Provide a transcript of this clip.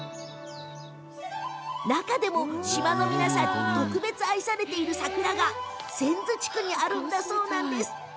中でも島の皆さんに特別、愛されている桜が泉津地区にあるんだそう。